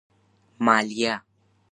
مالیه